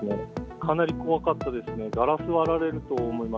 かなり怖かったですね。